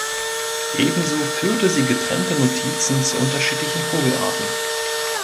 Ebenso führte sie getrennte Notizen zu unterschiedlichen Vogelarten.